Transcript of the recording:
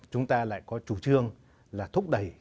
chúng ta lại có chủ trương là thúc đẩy